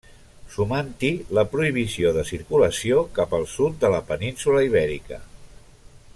Sumant-hi la prohibició de circulació cap al sud de la península Ibèrica.